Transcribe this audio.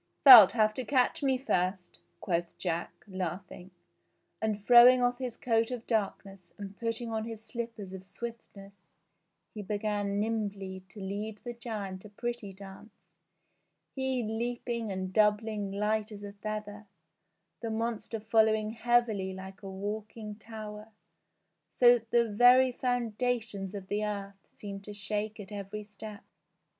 "Thou'lt have to catch me first," quoth Jack, laughing, and throwing off his coat of darkness and putting on his slippers of swiftness he began nimbly to lead the giant a pretty dance, he leaping and doubling light as a feather, the monster following heavily like a walking tower, so that the very foundations of the earth seemed to shake at every step.